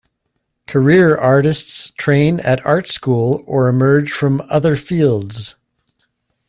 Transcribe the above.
Career artists train at art school or emerge from other fields.